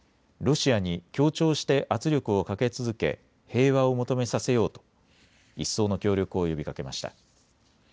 ロシアに協調して圧力をかけ続け平和を求めさせようと一層の協力を呼びかけました。